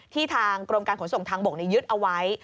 ทางกรมการขนส่งทางบกยึดเอาไว้